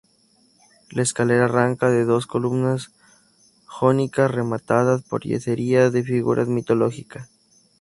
La escalera arranca de dos columnas jónicas rematadas por yeserías de figuras mitológicas.